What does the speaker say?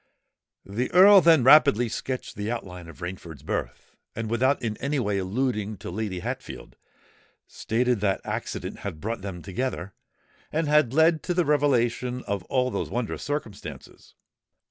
The Earl then rapidly sketched the outline of Rainford's birth; and, without in any way alluding to Lady Hatfield, stated that accident had brought them together, and had led to the revelation of all those wondrous circumstances.